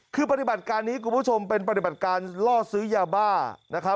คือปฏิบัติการนี้คุณผู้ชมเป็นปฏิบัติการล่อซื้อยาบ้านะครับ